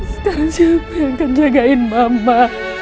sekarang siapa yang akan jagain bapak